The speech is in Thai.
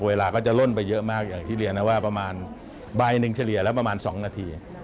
เวลาก็จะล่นไปเยอะมากอย่างที่เรียนนะว่าประมาณใบหนึ่งเฉลี่ยแล้วประมาณ๒นาที